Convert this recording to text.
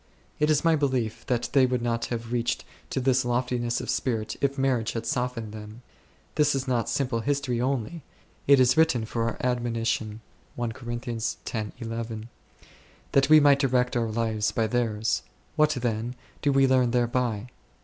It is my belief, that they would not have reached to this loftmess of spirit, if marriage had softened them. This is not simple history only ; it is " written for our admonition 7," that we might direct our lives by theirs. What, then, do we learn there by